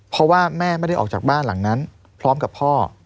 เพราะว่าแม่ไม่ได้ออกจากบ้านหลังนั้นพร้อมกับพ่อ